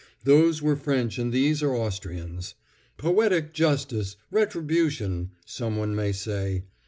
Those were French and these are Austrians. "Poetic justice! Retribution!" someone may say.